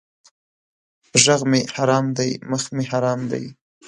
ږغ مې حرام دی مخ مې حرام دی!